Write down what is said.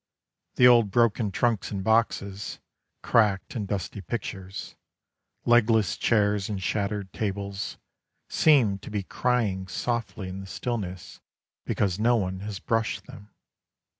The old broken trunks and boxes, Cracked and dusty pictures, Legless chairs and shattered tables, Seem to be crying Softly in the stillness Because no one has brushed them.